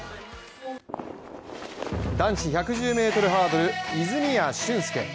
男子１１０ｍハードル泉谷駿介。